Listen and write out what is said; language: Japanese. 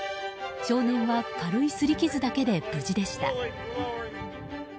少年は軽いすり傷だけで無事でした。